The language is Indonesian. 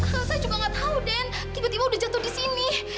saya juga gak tau den tiba tiba udah jatuh disini